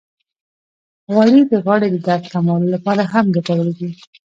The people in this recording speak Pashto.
غوړې د غاړې د درد کمولو لپاره هم ګټورې دي.